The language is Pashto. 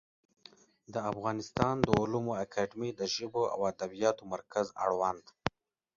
د افغانستان د علومو اکاډمي د ژبو او ادبیاتو مرکز اړوند